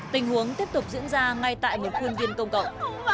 tình huống tiếp tục diễn ra ngay tại một khuôn viên công cộng